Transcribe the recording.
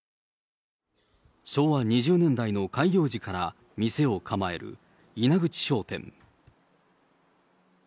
昭和２０年代の開業時から店を構える稲口商店。